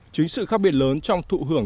chính sự khác biệt lớn trong thụ hưởng